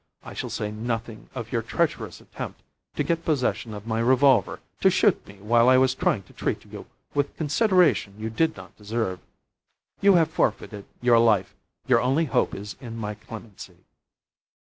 "I shall say nothing of your treacherous attempt to get possession of my revolver to shoot me while I was trying to treat you with consideration you did not deserve. You have forfeited your life. Your only hope is in my clemency."